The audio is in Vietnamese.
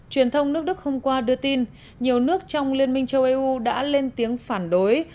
truyền thông nước đức hôm qua đưa tin nhiều nước trong liên minh châu âu đã lên tiếng phản đối